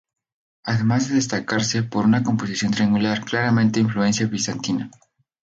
Además de destacarse por una composición triangular, claramente influencia Bizantina.